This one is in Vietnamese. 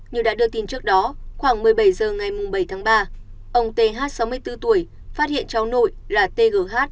như đã đưa tin trước đó khoảng một mươi bảy h ngày bảy tháng ba ông th sáu mươi bốn tuổi phát hiện cháu nội là tgh